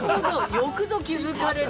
よくぞ気づかれて。